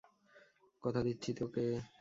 কথা দিচ্ছি তোকে।